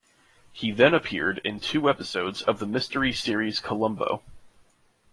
He then appeared in two episodes of the mystery series "Columbo".